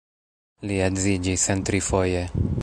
Li edziĝis en trifoje.